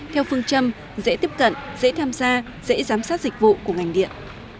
theo phương châm dễ tiếp cận dễ tham gia dễ giám sát dịch vụ của ngành điện